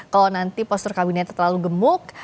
kalau nanti postur kabinetnya terlalu gemuk